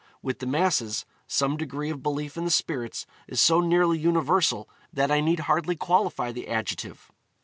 With the masses, some degree of belief in the spirits is so nearly universal that I need hardly qualify the adjective.